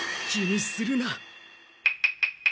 気にするな。